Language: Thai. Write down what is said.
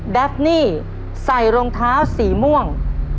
แฟฟนี่ใส่รองเท้าสีม่วง